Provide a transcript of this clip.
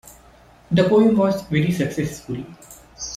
The poem was very successful.